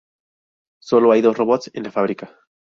Sólo hay dos robots en la fábrica.